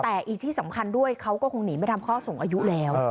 แต่อีกที่สำคัญด้วยเขาก็คงหนีไม่ทำข้อสูงอายุแล้ว